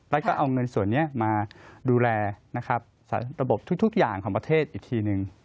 แล้วก็เอาเงินส่วนนี้มาดูแลนะครับระบบทุกอย่างของประเทศอีกทีหนึ่ง